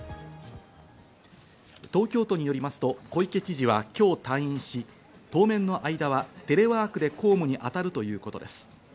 東京都によりますと小池知事は今日退院し、当面の間はテレワークで公務に当たるということです。